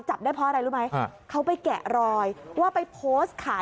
จับได้เพราะอะไรรู้ไหมเขาไปแกะรอยว่าไปโพสต์ขาย